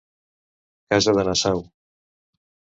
Casa de Nassau.